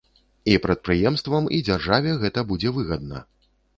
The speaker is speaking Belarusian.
І прадпрыемствам, і дзяржаве гэта будзе выгадна.